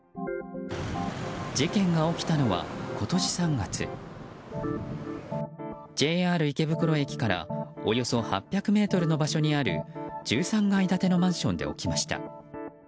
事件が起きたのは、今年３月ＪＲ池袋駅からおよそ８００ｍの場所にある１３階建てのマンションで起きました。